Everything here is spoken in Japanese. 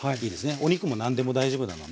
お肉も何でも大丈夫なので。